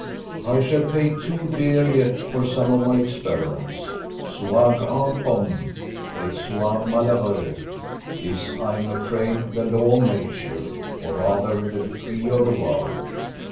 I shall pay too dear yet for some of my experiments. 'Sois grand homme, et sois malheureux,' is, I am afraid, the law of nature, or rather the decree of the world.